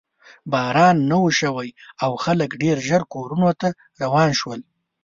باران نه و شوی او خلک ډېر ژر کورونو ته روان شول.